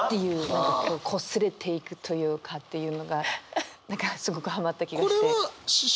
こすれていくというかというのが何かすごくハマった気がして。